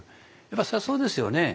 やっぱそりゃそうですよね。